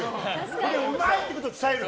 それでうまいってことを伝える。